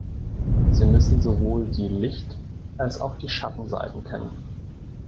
Sie müssen sowohl die Lichtals auch die Schattenseiten kennen.